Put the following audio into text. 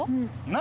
何？